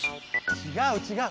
ちがうちがう！